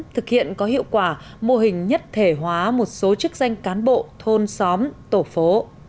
thực hiện có hiệu quả mô hình nhất thể hóa một số chức danh cán bộ thôn xóm tổ phố